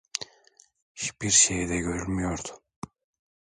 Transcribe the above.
Hiçbir şey de görülmüyordu.